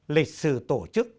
lịch sử tổ chức